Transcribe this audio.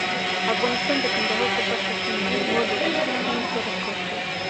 افغانستان د کندهار په برخه کې نړیوالو بنسټونو سره کار کوي.